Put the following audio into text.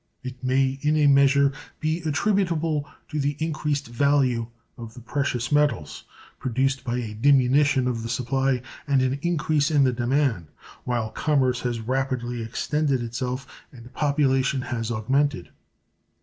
It may in a measure be attributable to the increased value of the precious metals, produced by a diminution of the supply and an increase in the demand, while commerce has rapidly extended itself and population has augmented.